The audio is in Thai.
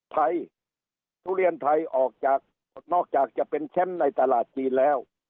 ทุเรียนไทยออกจากนอกจากจะเป็นแชมป์ในตลาดจีนแล้ว